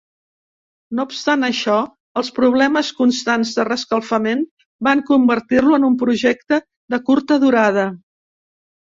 No obstant això, els problemes constants de reescalfament van convertir-lo en un projecte de curta durada.